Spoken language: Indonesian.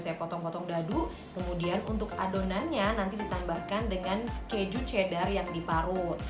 saya potong potong dadu kemudian untuk adonannya nanti ditambahkan dengan keju cheddar yang diparut